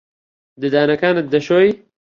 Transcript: ددانەکانت دەشۆی؟